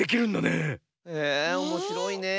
えおもしろいねえ。